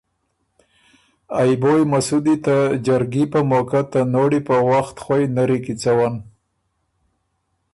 ا بویٛ مسودی ته جرګي په موقع ته نوړی په وخت خوئ نری کی څوّن